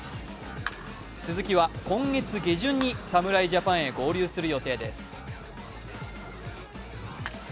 鈴木は今月下旬に侍ジャパンへ合流する予定です。